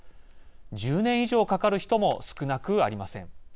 １０年以上かかる人も少なくありません。